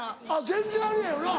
全然あれやよな。